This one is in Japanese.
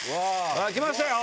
あっ来ましたよ！